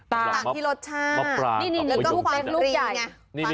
ต่างที่รสชาติแล้วก็ความริน